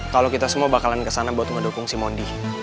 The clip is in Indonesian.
kalau kita semua bakalan kesana buat ngedukung si mondi